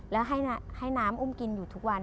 แล้วให้น้ำอุ้มกินอยู่ทุกวัน